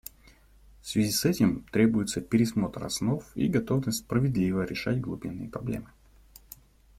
В связи с этим требуются пересмотр основ и готовность справедливо решать глубинные проблемы.